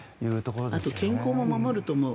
あと健康も守ると思う。